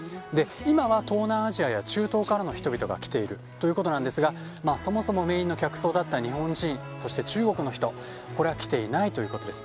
今は東南アジアや中東からの人々が来ているということですがそもそもメインの客層だった日本人そして中国の人は来ていないということです。